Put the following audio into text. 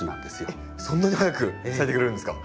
えっそんなに早く咲いてくれるんですか？